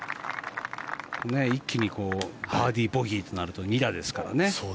一気にバーディー、ボギーとなると２打ですからね。